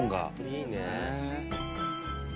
いいね。